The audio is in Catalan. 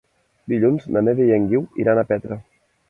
Dilluns na Neida i en Guiu iran a Petra.